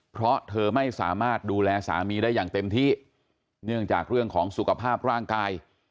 เพราะเธอไม่สามารถดูแลสามีได้อย่างเต็มที่เนื่องจากเรื่องของสุขภาพร่างกาย